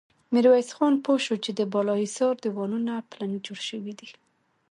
ميرويس خان پوه شو چې د بالا حصار دېوالونه پلن جوړ شوي دي.